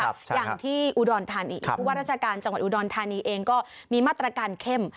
อย่างที่อุดรธานีผู้ว่าราชการจังหวัดอุดรธานีเองก็มีมาตรการเข้ม